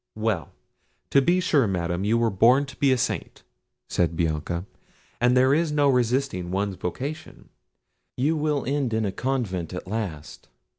"Well! to be sure, Madam, you were born to be a saint," said Bianca, "and there is no resisting one's vocation: you will end in a convent at last.